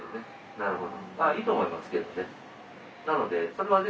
なるほど。